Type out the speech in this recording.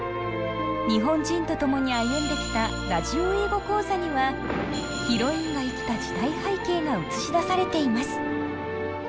日本人とともに歩んできた「ラジオ英語講座」にはヒロインが生きた時代背景が映し出されています。